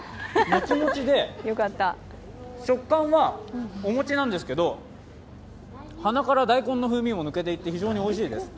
もちもちで食感はお餅なんですけど、鼻から大根の風味も抜けていって非常においしいです。